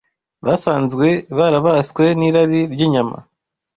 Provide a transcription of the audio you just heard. basanzwe barabaswe n’irari ry’inyama